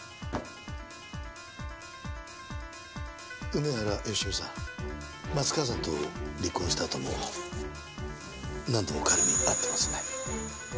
梅原芳美さん松川さんと離婚したあとも何度も彼に会ってますね？